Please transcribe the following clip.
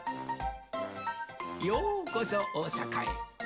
「ようこそおおさかへ！」